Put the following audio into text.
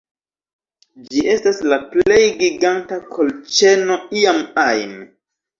Ĝi estas la plej giganta kolĉeno iam ajn